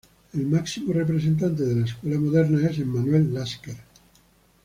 El máximo representantes de la escuela Moderna es Emmanuel Lasker.